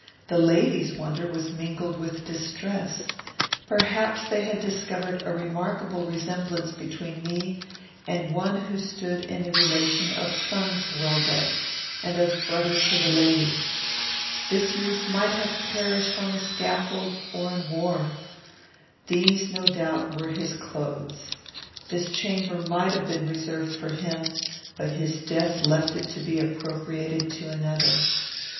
The lady's wonder was mingled with distress. Perhaps they discovered a remarkable resemblance between me and one who stood in the relation of son to Welbeck, and of brother to the lady. This youth might have perished on the scaffold or in war. These, no doubt, were his clothes. This chamber might have been reserved for him, but his death left it to be appropriated to another.